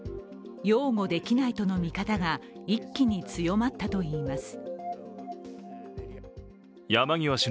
擁護できないとの見方が一気に強まったといいます。